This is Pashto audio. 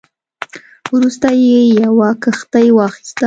وروسته یې یوه کښتۍ واخیسته.